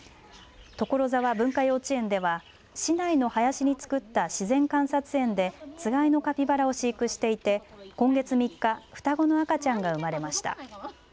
所沢文化幼稚園では市内の林に造った自然観察園でつがいのカピバラを飼育していて今月３日、双子の赤ちゃんが生まれました。